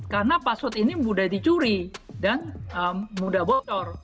karena password ini mudah dicuri dan mudah bocor